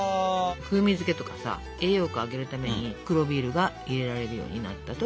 風味付けとかさ栄養価上げるために黒ビールが入れられるようになったと。